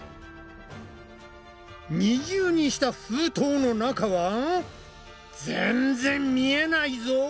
二重にした封筒の中は全然見えないぞ！